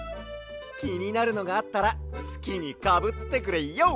きになるのがあったらすきにかぶってくれＹＯ！